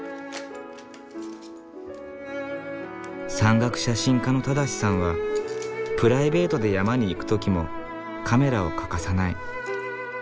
山岳写真家の正さんはプライベートで山に行く時もカメラを欠かさない。